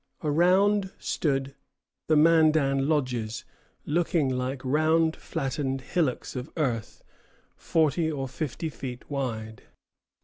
Around stood the Mandan lodges, looking like round flattened hillocks of earth, forty or fifty feet wide.